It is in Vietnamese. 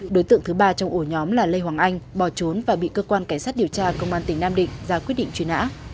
đối tượng thứ ba trong ổ nhóm là lê hoàng anh bỏ trốn và bị cơ quan cảnh sát điều tra công an tỉnh nam định ra quyết định truy nã